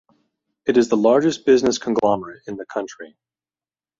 It is the largest business conglomerate in the country.